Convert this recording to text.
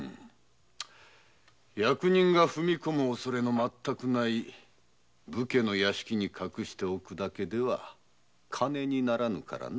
役人が踏み込む恐れが全くない武家屋敷に隠しておくだけでは金にはならぬからな。